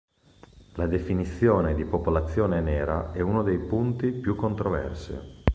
La definizione di popolazione nera è uno dei punti più controversi.